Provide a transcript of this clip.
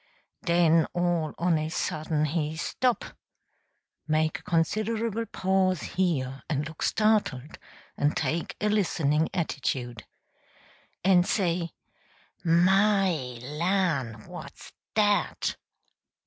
Den all on a sudden he stop (make a considerable pause here, and look startled, and take a listening attitude) en say: "My LAN', what's dat!"